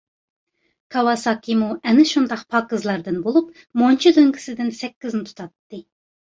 كاۋاساكىمۇ ئەنە شۇنداق پاكىزلاردىن بولۇپ، مۇنچا لۆڭگىسىدىن سەككىزنى تۇتاتتى.